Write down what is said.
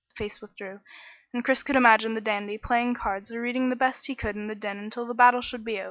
The face withdrew, and Chris could imagine the dandy playing cards or reading as best he could in the din until the battle should be over.